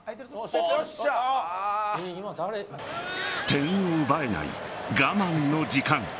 点を奪えない我慢の時間。